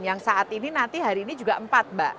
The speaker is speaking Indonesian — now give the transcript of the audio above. yang saat ini nanti hari ini juga empat mbak